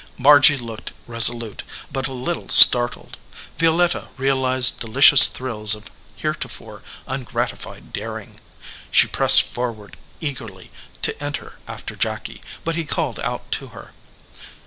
Margy looked resolute, but a little startled. Violetta realized delicious thrills of heretofore un gratified daring. She pressed forward eagerly to enter after Jacky, but he called out to her.